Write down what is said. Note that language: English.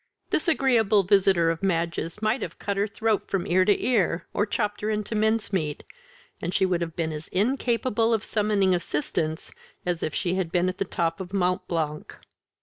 This agreeable visitor of Madge's might have cut her throat from ear to ear, or chopped her into mincemeat, and she would have been as incapable of summoning assistance as if she had been at the top of Mont Blanc."